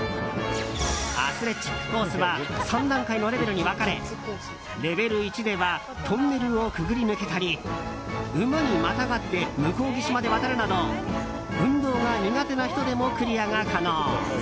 アスレチックコースは３段階のレベルに分かれレベル１ではトンネルを潜り抜けたり馬にまたがって向こう岸まで渡るなど運動が苦手な人でもクリアが可能。